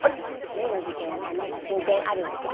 例の事件はなんか進展あるんですか？